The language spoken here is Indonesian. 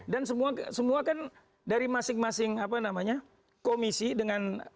dan semua kan dari masing masing komisi dengan